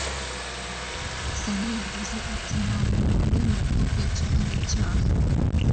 Sunny yagize ati “ Nta muntu uyobewe ko kwica ari icyaha